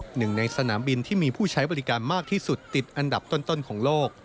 หนึ่งในสนามบินที่มีผู้ใช้บริการมากที่สุดติดอันดับต้นของโลก